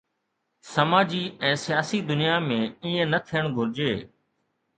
سماجي ۽ سياسي دنيا ۾ ائين نه ٿيڻ گهرجي.